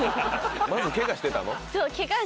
まずケガしてたの？